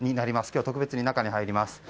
今日は特別に中に入ります。